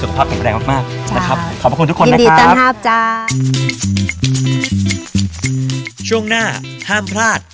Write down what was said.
สุขภาพแข็งแรงมากนะครับ